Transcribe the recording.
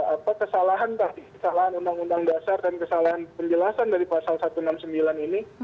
apa kesalahan tadi kesalahan undang undang dasar dan kesalahan penjelasan dari pasal satu ratus enam puluh sembilan ini